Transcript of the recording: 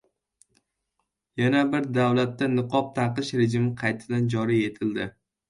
Yana bir davlatda niqob taqish rejimi qaytadan joriy etildi